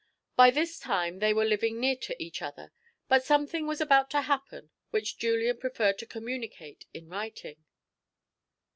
By this time they were living near to each other, but something was about to happen which Julian preferred to communicate in writing.